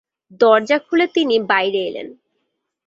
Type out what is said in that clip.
দরজা খুলে তিনি বাইরে এলেন।